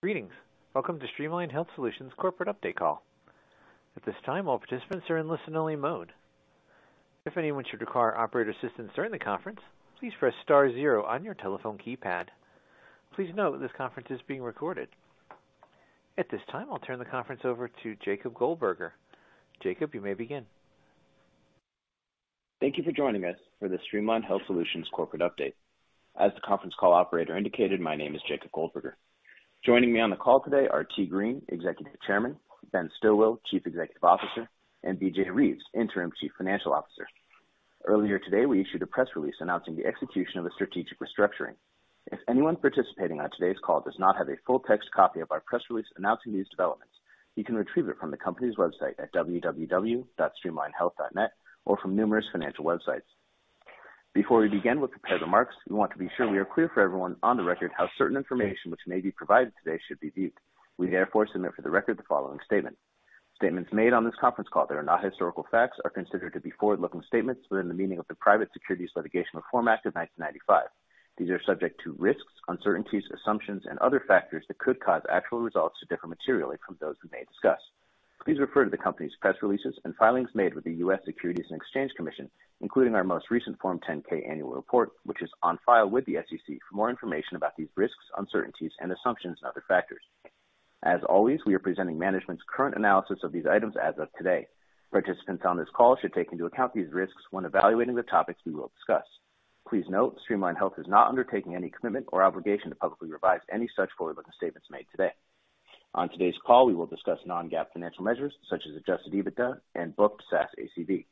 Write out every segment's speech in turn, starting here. Greetings. Welcome to Streamline Health Solutions corporate update call. At this time, all participants are in listen-only mode. If anyone should require operator assistance during the conference, please press star zero on your telephone keypad. Please note that this conference is being recorded. At this time, I'll turn the conference over to Jacob Goldberger. Jacob, you may begin. Thank you for joining us for the Streamline Health Solutions corporate update. As the conference call operator indicated, my name is Jacob Goldberger. Joining me on the call today are Tee Green, Executive Chairman, Ben Stilwill, Chief Executive Officer, and B.J. Reeves, Interim Chief Financial Officer. Earlier today, we issued a press release announcing the execution of a strategic restructuring. If anyone participating on today's call does not have a full text copy of our press release announcing these developments, you can retrieve it from the company's website at www.streamlinehealth.net, or from numerous financial websites. Before we begin with prepared remarks, we want to be sure we are clear for everyone on the record how certain information which may be provided today should be viewed. We therefore submit for the record the following statement. Statements made on this conference call that are not historical facts are considered to be forward-looking statements within the meaning of the Private Securities Litigation Reform Act of 1995. These are subject to risks, uncertainties, assumptions, and other factors that could cause actual results to differ materially from those we may discuss. Please refer to the company's press releases and filings made with the U.S. Securities and Exchange Commission, including our most recent Form 10-K annual report, which is on file with the SEC, for more information about these risks, uncertainties, and assumptions and other factors. As always, we are presenting management's current analysis of these items as of today. Participants on this call should take into account these risks when evaluating the topics we will discuss. Please note, Streamline Health is not undertaking any commitment or obligation to publicly revise any such forward-looking statements made today. On today's call, we will discuss non-GAAP financial measures such as adjusted EBITDA and Booked SaaS ACV.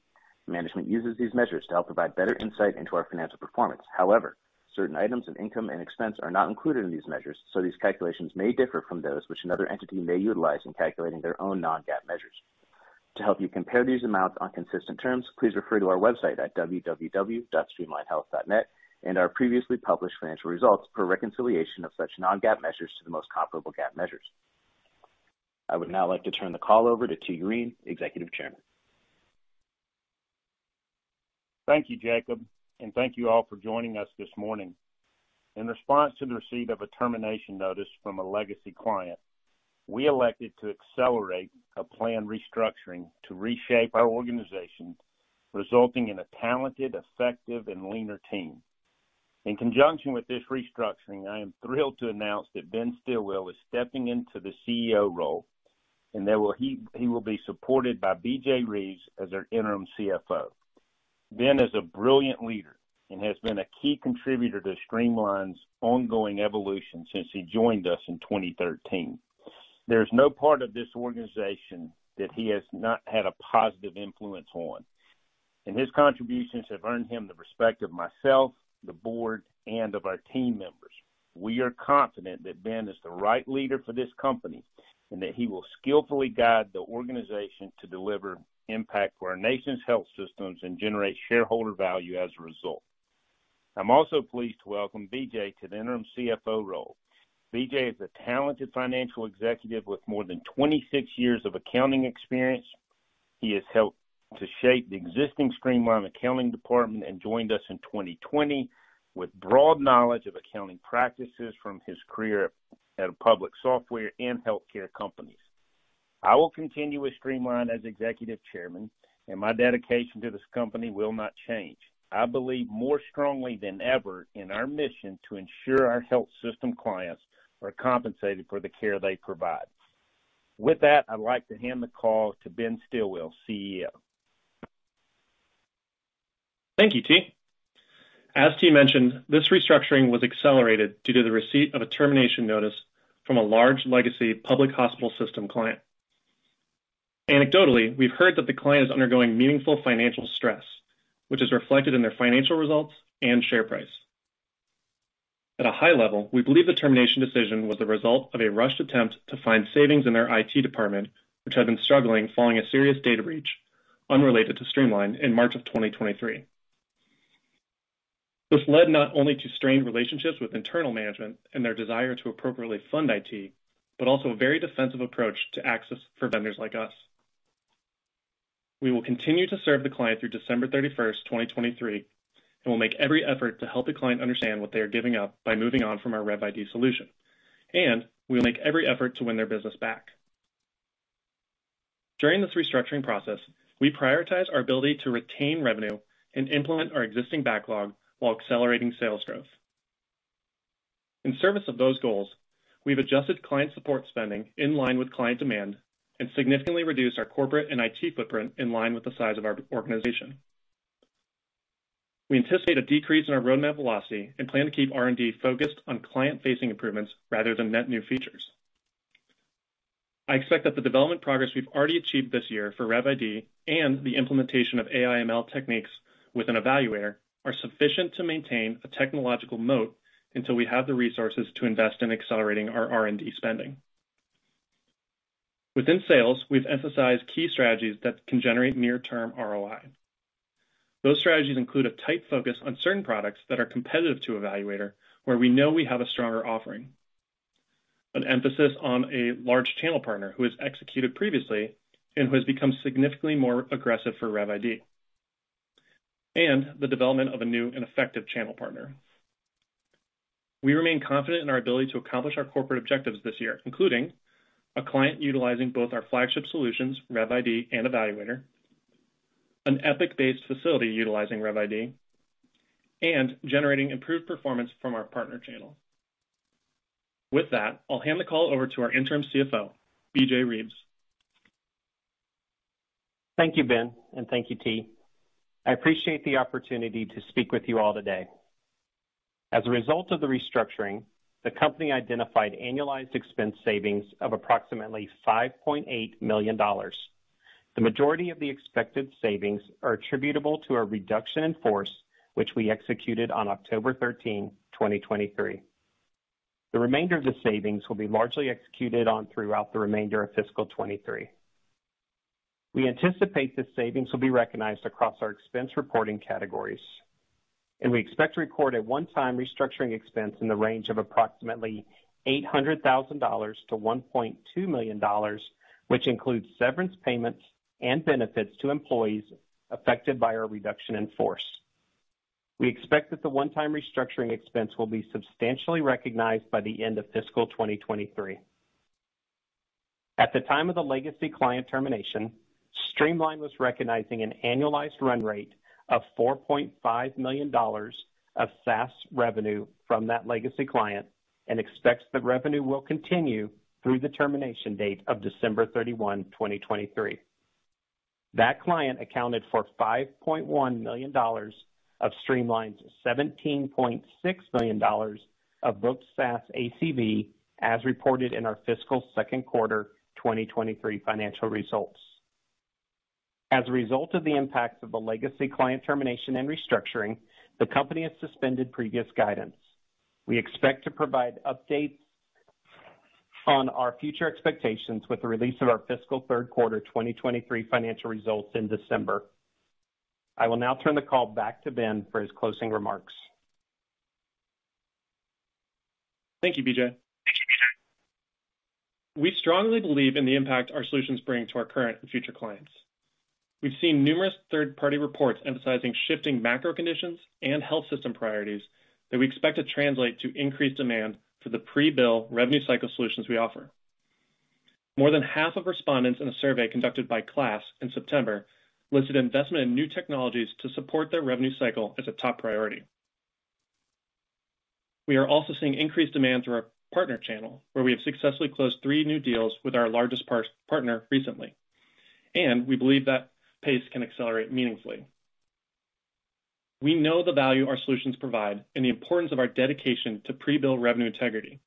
Management uses these measures to help provide better insight into our financial performance. However, certain items of income and expense are not included in these measures, so these calculations may differ from those which another entity may utilize in calculating their own non-GAAP measures. To help you compare these amounts on consistent terms, please refer to our website at www.streamlinehealth.net and our previously published financial results for a reconciliation of such non-GAAP measures to the most comparable GAAP measures. I would now like to turn the call over to Tee Green, Executive Chairman. Thank you, Jacob, and thank you all for joining us this morning. In response to the receipt of a termination notice from a legacy client, we elected to accelerate a planned restructuring to reshape our organization, resulting in a talented, effective, and leaner team. In conjunction with this restructuring, I am thrilled to announce that Ben Stilwill is stepping into the CEO role, and he will be supported by B.J. Reeves as our interim CFO. Ben is a brilliant leader and has been a key contributor to Streamline's ongoing evolution since he joined us in 2013. There's no part of this organization that he has not had a positive influence on, and his contributions have earned him the respect of myself, the board, and of our team members. We are confident that Ben is the right leader for this company, and that he will skillfully guide the organization to deliver impact for our nation's health systems and generate shareholder value as a result. I'm also pleased to welcome B.J. to the interim CFO role. B.J. is a talented financial executive with more than 26 years of accounting experience. He has helped to shape the existing Streamline accounting department and joined us in 2020 with broad knowledge of accounting practices from his career at public software and healthcare companies. I will continue with Streamline as Executive Chairman, and my dedication to this company will not change. I believe more strongly than ever in our mission to ensure our health system clients are compensated for the care they provide. With that, I'd like to hand the call to Ben Stilwill, CEO. Thank you, Tee. As Tee mentioned, this restructuring was accelerated due to the receipt of a termination notice from a large legacy public hospital system client. Anecdotally, we've heard that the client is undergoing meaningful financial stress, which is reflected in their financial results and share price. At a high level, we believe the termination decision was the result of a rushed attempt to find savings in their IT department, which had been struggling following a serious data breach unrelated to Streamline in March 2023. This led not only to strained relationships with internal management and their desire to appropriately fund IT, but also a very defensive approach to access for vendors like us. We will continue to serve the client through December 31st, 2023, and we'll make every effort to help the client understand what they are giving up by moving on from our RevID solution, and we will make every effort to win their business back. During this restructuring process, we prioritize our ability to retain revenue and implement our existing backlog while accelerating sales growth. In service of those goals, we've adjusted client support spending in line with client demand and significantly reduced our corporate and IT footprint in line with the size of our organization. We anticipate a decrease in our roadmap velocity and plan to keep R&D focused on client-facing improvements rather than net new features. I expect that the development progress we've already achieved this year for RevID and the implementation of AI/ML techniques with eValuator are sufficient to maintain a technological moat until we have the resources to invest in accelerating our R&D spending. Within sales, we've emphasized key strategies that can generate near-term ROI. Those strategies include a tight focus on certain products that are competitive to eValuator, where we know we have a stronger offering. An emphasis on a large channel partner who has executed previously and who has become significantly more aggressive for RevID, and the development of a new and effective channel partner. We remain confident in our ability to accomplish our corporate objectives this year, including a client utilizing both our flagship solutions, RevID and eValuator, an Epic-based facility utilizing RevID, and generating improved performance from our partner channel. With that, I'll hand the call over to our interim CFO, B.J. Reeves. Thank you, Ben, and thank you, Tee. I appreciate the opportunity to speak with you all today. As a result of the restructuring, the company identified annualized expense savings of approximately $5.8 million. The majority of the expected savings are attributable to a reduction in force, which we executed on October 13th, 2023. The remainder of the savings will be largely executed on throughout the remainder of fiscal 2023. We anticipate the savings will be recognized across our expense reporting categories, and we expect to record a one-time restructuring expense in the range of approximately $800,000-$1.2 million, which includes severance payments and benefits to employees affected by our reduction in force. We expect that the one-time restructuring expense will be substantially recognized by the end of fiscal 2023. At the time of the legacy client termination, Streamline was recognizing an annualized run rate of $4.5 million of SaaS revenue from that legacy client and expects that revenue will continue through the termination date of December 31, 2023. That client accounted for $5.1 million of Streamline's $17.6 million of booked SaaS ACV, as reported in our fiscal second quarter 2023 financial results. As a result of the impacts of the legacy client termination and restructuring, the company has suspended previous guidance. We expect to provide updates on our future expectations with the release of our fiscal third quarter 2023 financial results in December. I will now turn the call back to Ben for his closing remarks. Thank you, B.J. We strongly believe in the impact our solutions bring to our current and future clients. We've seen numerous third-party reports emphasizing shifting macro conditions and health system priorities that we expect to translate to increased demand for the pre-bill revenue cycle solutions we offer. More than half of respondents in a survey conducted by KLAS in September listed investment in new technologies to support their revenue cycle as a top priority. We are also seeing increased demand through our partner channel, where we have successfully closed three new deals with our largest partner recently, and we believe that pace can accelerate meaningfully. We know the value our solutions provide and the importance of our dedication to pre-bill revenue integrity.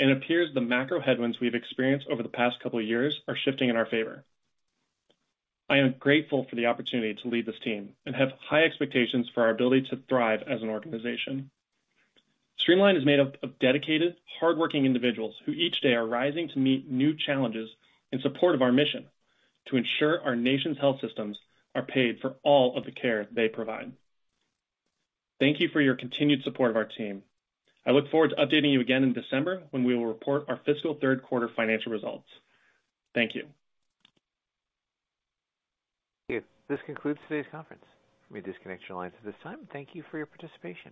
It appears the macro headwinds we've experienced over the past couple of years are shifting in our favor. I am grateful for the opportunity to lead this team and have high expectations for our ability to thrive as an organization. Streamline is made up of dedicated, hardworking individuals who each day are rising to meet new challenges in support of our mission to ensure our nation's health systems are paid for all of the care they provide. Thank you for your continued support of our team. I look forward to updating you again in December, when we will report our fiscal third quarter financial results. Thank you. This concludes today's conference. You may disconnect your lines at this time. Thank you for your participation.